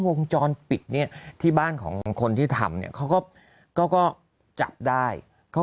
วงจรปิดเนี่ยที่บ้านของคนที่ทำเนี่ยเขาก็ก็จับได้เขา